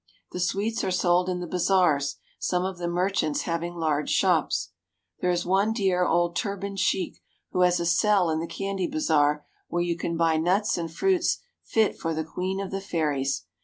The sweets are sold in the bazaars, some of the merchants having large shops. There is one dear old turbaned sheik who has a cell in the candy bazaar where you can buy nuts and fruits fit for the queen of the fairies.